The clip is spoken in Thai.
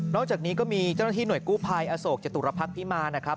จากนี้ก็มีเจ้าหน้าที่หน่วยกู้ภัยอโศกจตุรพักษ์พิมารนะครับ